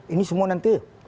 ini semua nanti